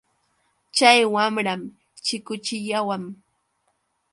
Chay wamram chikuchiyawan.